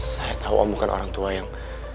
saya tahu om bukan orang tua yang